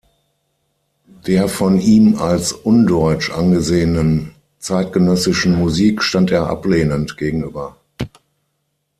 Der von ihm als „undeutsch“ angesehenen zeitgenössischen Musik stand er ablehnend gegenüber.